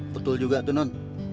betul juga tuh non